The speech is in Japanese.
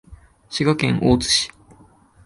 滋賀県大津市